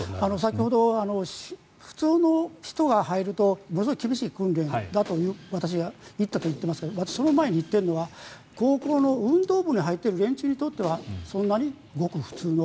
先ほど、普通の人が入るとものすごく厳しい訓練だと私が言ったといっていますが高校の運動部に入っている連中にとってはそんなにごく普通の。